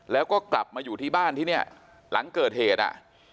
แล้วก็กลับมาอยู่ที่บ้านที่เนี่ยหลังเกิดเหตุอ่ะ